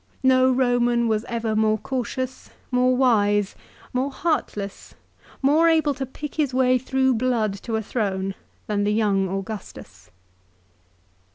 No Roman was ever more cautious, more wise, more heartless, more able to pick his way through blood to a throne, than the young Augustus.